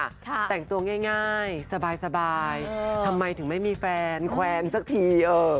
ค่ะแต่งตัวง่ายง่ายสบายสบายทำไมถึงไม่มีแฟนแควร์สักทีเอ่อ